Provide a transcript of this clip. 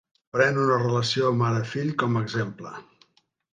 Pren una relació mare-fill com a exemple.